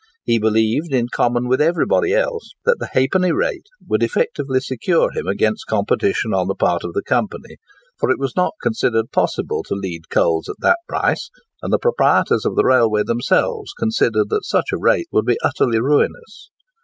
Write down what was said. He believed, in common with everybody else, that the ½d. rate would effectually secure him against competition on the part of the Company; for it was not considered possible to lead coals at that price, and the proprietors of the railway themselves considered that such a rate would be utterly ruinous.